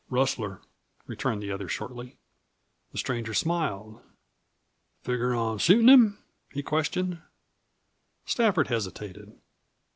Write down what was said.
"Rustler," returned the other shortly. The stranger smiled. "Figger on shootin' him?" he questioned. Stafford hesitated.